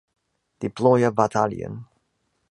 deploy a battalion.